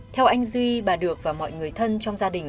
theo anh duy bà được và mọi người thân trong gia đình